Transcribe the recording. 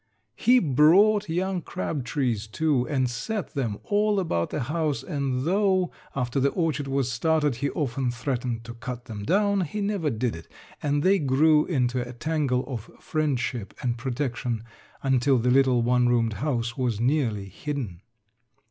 He brought young crab trees, too, and set them all about the house and though, after the orchard was started, he often threatened to cut them down, he never did it and they grew into a tangle of friendship and protection until the little one roomed house was nearly hidden.